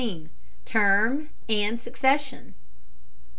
TERM AND SUCCESSION.